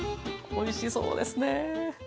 おいしそうですね！